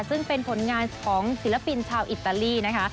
ซึ่งเป็นผลงานของศิลปินชาวอิตาลีนะคะ